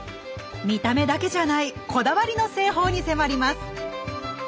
見た目だけじゃないこだわりの製法に迫ります！